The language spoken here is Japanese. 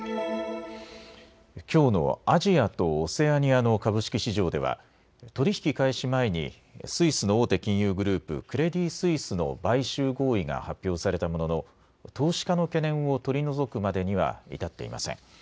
きょうのアジアとオセアニアの株式市場では取り引き開始前にスイスの大手金融グループ、クレディ・スイスの買収合意が発表されたものの投資家の懸念を取り除くまでには至っていません。